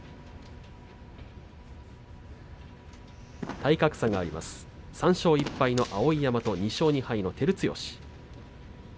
体格差があります、３勝１敗の碧山と、２勝２敗の照強。